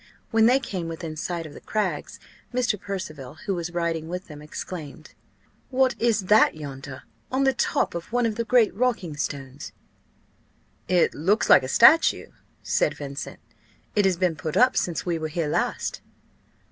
When they came within sight of the Crags, Mr. Percival, who was riding with them, exclaimed "What is that yonder, on the top of one of the great rocking stones?" "It looks like a statue," said Vincent. "It has been put up since we were here last."